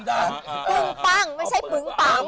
ปึ้งปั้งไม่ใช่ปึ้งปัง